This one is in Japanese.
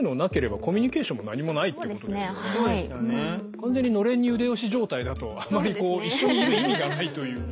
完全に「暖簾に腕押し」状態だとあまりこう一緒にいる意味がないというか。